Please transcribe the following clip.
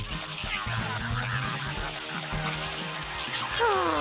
はあ。